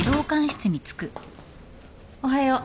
おはよう。